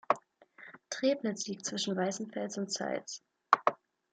Trebnitz liegt zwischen Weißenfels und Zeitz.